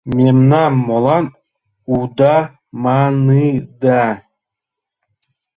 Мемнам молан уда маныда?